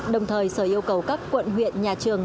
đồng thời sở yêu cầu các quận huyện nhà trường